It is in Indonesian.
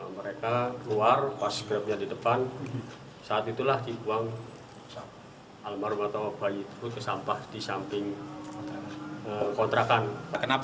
mereka keluar pas grabnya di depan saat itulah dibuang almarhum atau bayi itu ke sampah di samping kontrakan